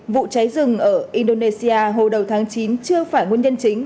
vụ cháy rừng ở indonesia hồi đầu tháng chín chưa phải nguyên nhân chính